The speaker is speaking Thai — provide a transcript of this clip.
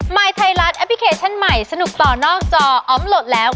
ยไทยรัฐแอปพลิเคชันใหม่สนุกต่อนอกจออมโหลดแล้ว